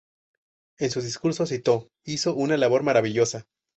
En su discurso citó "hizo una labor maravillosa.